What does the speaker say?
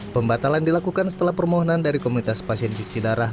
pembatalan dilakukan setelah permohonan dari komunitas pasien cuci darah